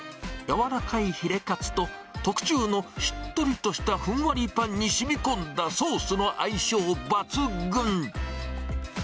軟らかいヒレかつと、特注のしっとりとしたふんわりパンにしみこんだソースの相性抜群。